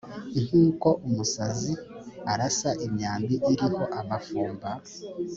nk’uko umusazi arasa imyambi iriho amafumba